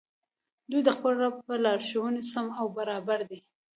دوى د خپل رب په لارښووني سم او برابر دي